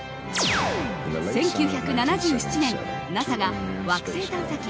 １９７７年、ＮＡＳＡが惑星探査機